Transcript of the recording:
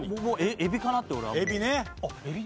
エビかなって俺は思う。